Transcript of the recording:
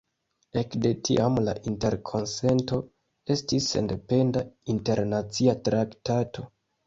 Ekde tiam la Interkonsento estis sendependa internacia traktato.